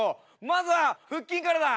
まずは腹筋からだ。